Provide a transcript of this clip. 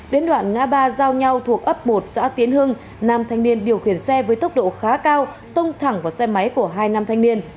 đến đoạn ngã ba giao nhau thuộc ấp một xã tiến hưng nam thanh niên điều khiển xe với tốc độ khá cao tông thẳng vào xe máy của hai nam thanh niên